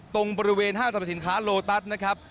ตรงบริเวณห้างสรรพสินค้าโลตัสนะครับ